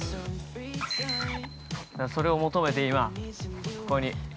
◆それを求めて、今、ここに。